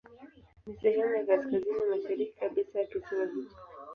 Ni sehemu ya kaskazini mashariki kabisa ya kisiwa hicho.